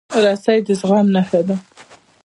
رسۍ د زغم نښه ده.